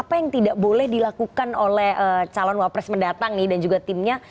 apa yang tidak boleh dilakukan oleh calon wapres mendatang nih dan juga timnya